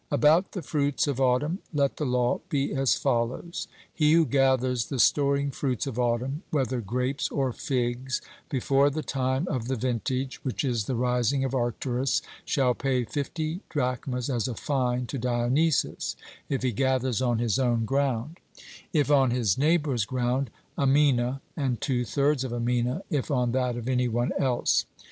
About the fruits of autumn let the law be as follows: He who gathers the storing fruits of autumn, whether grapes or figs, before the time of the vintage, which is the rising of Arcturus, shall pay fifty drachmas as a fine to Dionysus, if he gathers on his own ground; if on his neighbour's ground, a mina, and two thirds of a mina if on that of any one else.